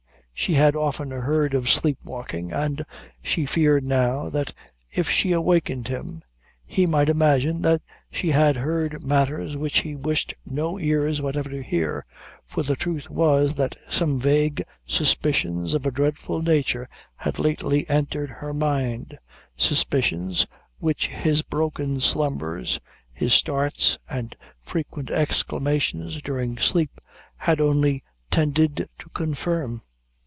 She had often heard of sleep walking, and she feared now, that if she awakened him, he might imagine that she had heard matters which he wished no ears whatever to hear; for the truth was, that some vague suspicions of a dreadful nature had lately entered her mind; suspicions, which his broken slumbers his starts, and frequent exclamations during sleep, had only tended to confirm.